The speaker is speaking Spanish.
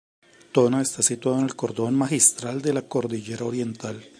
Tona está situado en el cordón magistral de la cordillera Oriental.